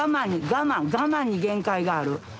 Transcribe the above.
我慢に限界がある？